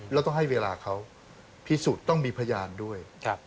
แล้วต้องให้เวลาเขาพิสูจน์ต้องมีพยานด้วย